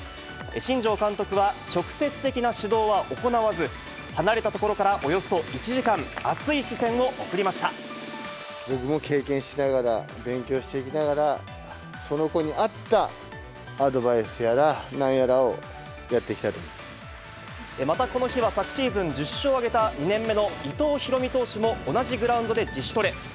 新庄監督は直接的な指導は行わず、離れた所からおよそ１時間、僕も経験しながら、勉強していきながら、その子に合ったアドバイスやらなんやらをやっていきたいと思いままたこの日は昨シーズン、１０勝を挙げた２年目の伊藤大海投手も同じグラウンドで自主トレ。